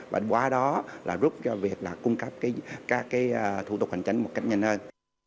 và qua đó là rút ra việc là cung cấp các cái thủ tục hành chính một cách nhanh hơn